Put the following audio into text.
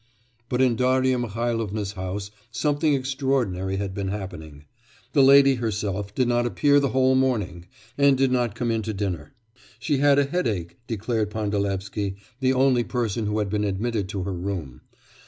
But in Darya Mihailovna's house something extraordinary had been happening. The lady herself did not appear the whole morning, and did not come in to dinner; she had a headache, declared Pandalevsky, the only person who had been admitted to her room.